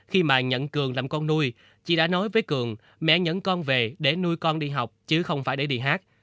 khi mà nhận cường làm con nuôi chị đã nói với cường mẹ nhẫn con về để nuôi con đi học chứ không phải để đi hát